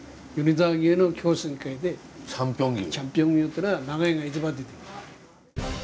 チャンピオン牛っていうのは長井が一番出てる。